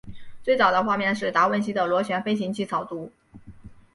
最早的画面是达文西的螺旋飞行器草图。